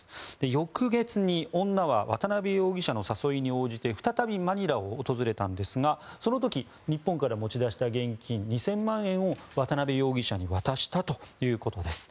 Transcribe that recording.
翌月に女は渡邉容疑者の誘いに応じて再びマニラを訪れたんですがその時、日本から持ち出した現金２０００万円を渡邉容疑者に渡したということです。